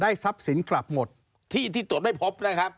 ทรัพย์สินกลับหมดที่ที่ตรวจไม่พบนะครับ